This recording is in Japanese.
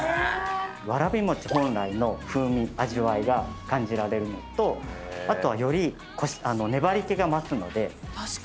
わらび餅本来の風味味わいが感じられるのとあとはより粘り気が増すのでもっちもちになります。